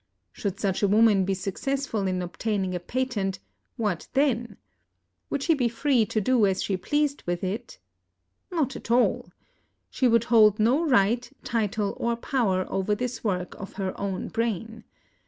Should such a woman be successful in obtaining a patent, what 'then ? Would she be free to do as she pleased with it 1 Not at all. She would hold no right, title, or power over this work of her own brain.